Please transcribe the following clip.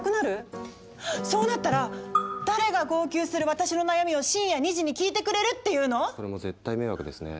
そうなったら誰が号泣する私の悩みを深夜２時に聞いてくれるっていうの⁉それも絶対迷惑ですね。